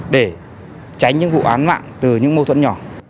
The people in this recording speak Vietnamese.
để tránh những vụ án mạng từ những mâu thuẫn nhỏ